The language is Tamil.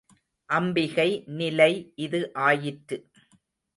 அம்பிகை நிலை இது ஆயிற்று.